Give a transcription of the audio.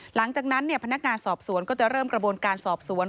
หลังจากนั้นพนักงานสอบสวนก็จะเริ่มกระบวนการสอบสวน